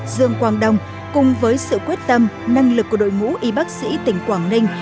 dương quang đông cùng với sự quyết tâm năng lực của đội ngũ y bác sĩ tỉnh quảng ninh